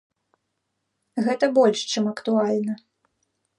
Гэта больш чым актуальна.